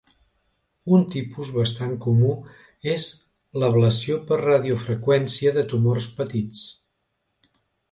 Un tipus bastant comú és l'ablació per radiofreqüència de tumors petits.